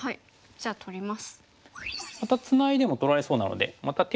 じゃあまた取ります。